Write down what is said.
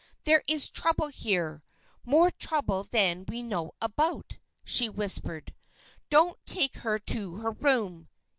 "There is trouble here more trouble than we know about," she whispered. "Don't take her to her room.